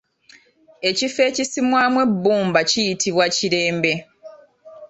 Ekifo ekisimwamu ebbumba kiyitibwa ekirembe.